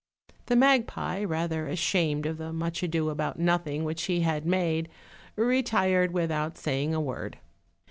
The magpie, rather ashamed of the much ado about nothing which he had made, retired without saying a word.